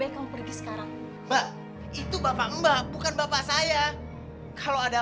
kamu beritahu juga mereka tidak akan datang